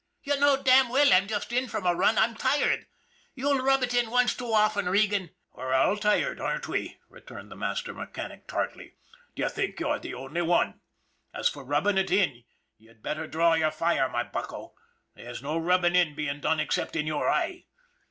" You know damn well I'm just in from a run. I'm tired. You'll rub it in once too often, Regan." "We're all tired, aren't we?" returned the master mechanic tartly. " Do you think you're the only one? As for rubbing it in, you'd better draw your fire, my bucko. There's no rubbing in being done except in your eye!